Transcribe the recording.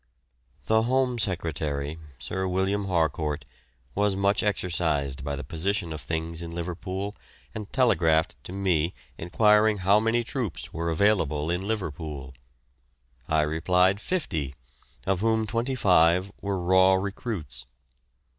The Home Secretary, Sir William Harcourt, was much exercised by the position of things in Liverpool, and telegraphed to me enquiring how many troops were available in Liverpool. I replied fifty, of whom twenty five were raw recruits.